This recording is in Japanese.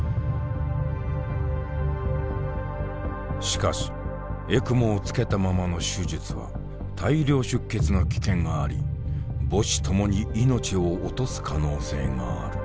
しかしＥＣＭＯをつけたままの手術は大量出血の危険があり母子ともに命を落とす可能性がある。